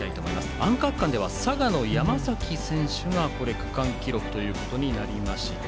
アンカー区間では佐賀の山崎選手が区間記録となりました。